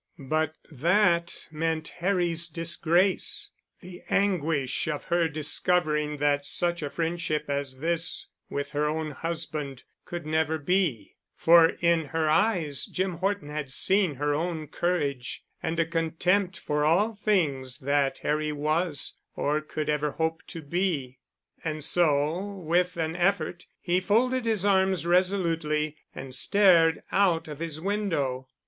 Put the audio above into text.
But that meant Harry's disgrace—the anguish of her discovering that such a friendship as this with her own husband could never be; for in her eyes Jim Horton had seen her own courage and a contempt for all things that Harry was or could ever hope to be. And so, with an effort he folded his arms resolutely and stared out of his window.